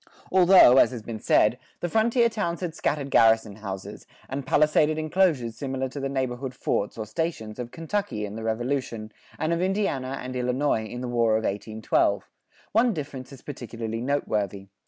Although, as has been said, the frontier towns had scattered garrison houses, and palisaded enclosures similar to the neighborhood forts, or stations, of Kentucky in the Revolution, and of Indiana and Illinois in the War of 1812, one difference is particularly noteworthy.